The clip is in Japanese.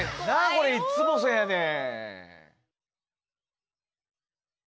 これいつもそやねん。